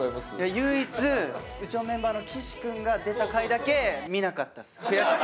唯一うちのメンバーの岸君が出た回だけなんで？